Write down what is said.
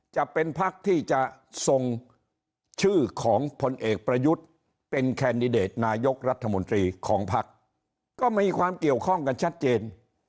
จะเป็นพักที่จะส่งชื่อของพลเอกประยุทธ์เป็นแคนดิเดตนายกรัฐมนตรีของพักก็มีความเกี่ยวข้องกันชัดเจน